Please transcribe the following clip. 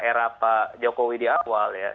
eropa jokowi di awal ya